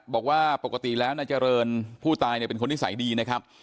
บอกว่าปกติแล้วจรณผู้ตายเป็นคนที่ใสดีนะครับ